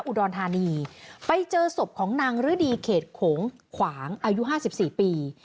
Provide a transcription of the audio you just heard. อุดรธานีไปเจอศพของนางฤดีเขตโขงขวางอายุ๕๔ปี